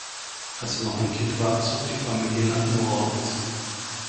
Als er noch ein Kind war, zog die Familie nach New Orleans.